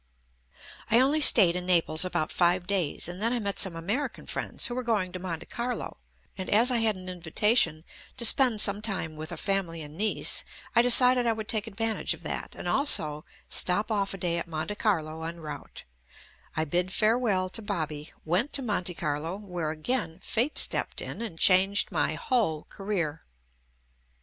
I only stayed in Naples about five days, then I met some American friends, who were going JUST ME to Monte Carlo, and as I had an invitation to spend sometime with a family in Nice, I de cided I would take advantage of that and also stop off a day at Monte Carlo en route, I bid farewell to "Bobby," went to Monte Carlo, where again fate stepped in and changed my whole career.